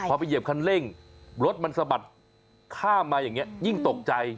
พอไปเหยียบคันเร่งรถมันสะบัดข้ามมาอย่างนี้ยิ่งตกใจ